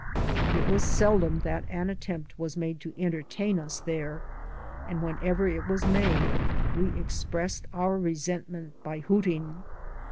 It was seldom that an attempt was made to entertain us there, and whenever it was made we expressed our resentment by hooting.